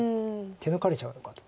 手抜かれちゃうのかと。